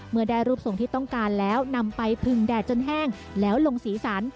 เมื่อได้รูปทรงที่ต้องการแล้วนำไปพึงแดดจนแห้งแล้วลงสีสัน